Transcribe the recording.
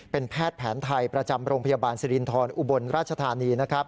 เป็นแพทย์แผนไทยประจำโรงพยาบาลสิรินทรอุบลราชธานีนะครับ